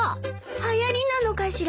はやりなのかしら？